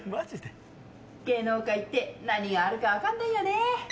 芸能界って何があるか分からないよね。